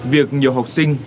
việc nhiều học sinh